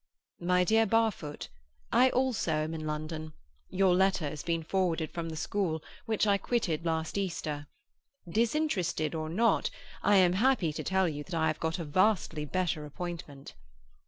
"My DEAR BARFOOT,—I also am in London; your letter has been forwarded from the school, which I quitted last Easter. Disinterested or not, I am happy to tell you that I have got a vastly better appointment.